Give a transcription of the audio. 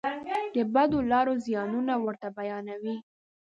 د بدو لارو زیانونه ورته بیانوي.